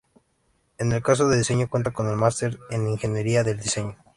En el caso de Diseño cuenta con el Máster en Ingeniería del Diseño.